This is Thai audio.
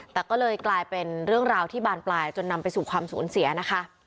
แต่ก็เลยกลายเป็นเรื่องราวที่บานปลายจนนำไปสู่ความสูญเสียนะคะ